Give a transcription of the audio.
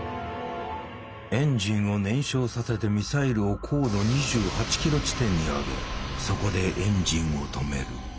エンジンを燃焼させてミサイルを高度２８ｋｍ地点に上げそこでエンジンを止める。